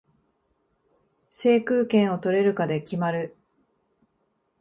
制空権を取れるかで決まる